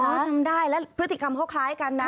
ทำได้แล้วพฤติกรรมเขาคล้ายกันนะ